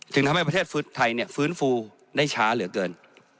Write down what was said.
ทำให้ประเทศไทยฟื้นฟูได้ช้าเหลือเกิน